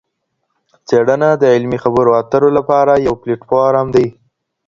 څېړنه د علمي خبرو اترو لپاره يو پلیټ فارم دی.